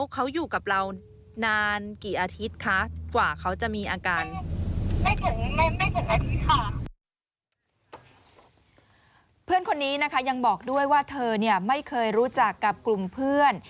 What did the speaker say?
เพื่อนคนนี้นะคะยังบอกด้วยว่าเธอไม่เคยรู้จักกับกลุ่มเพื่อน